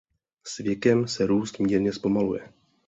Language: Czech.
S věkem se růst mírně zpomaluje.